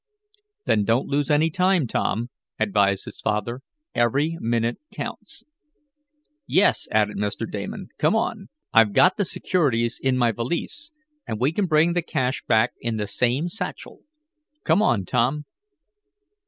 "Then don't lose any time, Tom," advised his father. "Every minute counts." "Yes," added Mr. Damon. "Come on. I've got the securities in my valise, and we can bring the cash back in the same satchel. Come on, Tom."